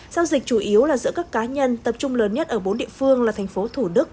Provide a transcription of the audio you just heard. giao dịch chủ yếu là giữa các cá nhân tập trung lớn nhất ở bốn địa phương là thành phố thủ đức